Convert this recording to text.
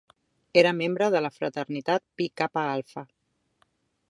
Era membre de la fraternitat Pi Kappa Alpha.